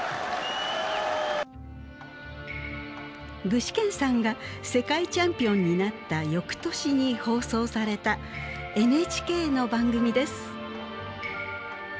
具志堅さんが世界チャンピオンになった翌年に放送されたＮＨＫの番組です。